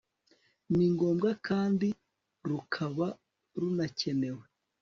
ni ngombwa kandi rukaba runakenewe